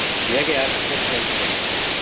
Sehr geehrte Präsidentin!